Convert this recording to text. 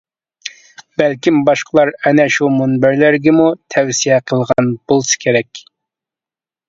بەلكىم، باشقىلار ئەنە شۇ مۇنبەرلەرگىمۇ تەۋسىيە قىلغان بولسا كېرەك.